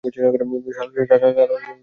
শালা কুত্তার বাচ্চা।